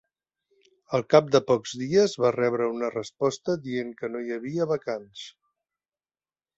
Al cap de pocs dies va rebre una resposta dient que no hi havia vacants.